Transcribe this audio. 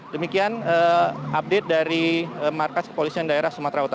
demikian update dari markas kepolisian daerah sumatera utara